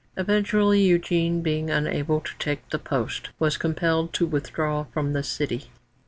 Eventually Eugène, being unable to take the post, was compelled to withdraw from the city.